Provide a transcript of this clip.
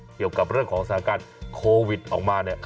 เกี่ยวกับเรื่องของสถานการณ์โควิดออกมาเนี่ย